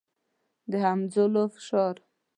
د همځولو فشار.